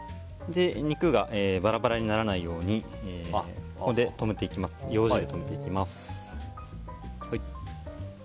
肉がバラバラにならないようにようじで留めていきます。